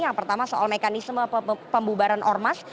yang pertama soal mekanisme pembubaran ormas